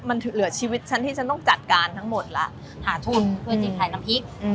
มันเหลือชีวิตฉันที่ฉันต้องจัดการทั้งหมดแล้วหาทุนเพื่อจะขายน้ำพริก